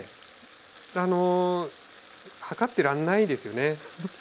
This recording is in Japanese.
あの量ってらんないですよね。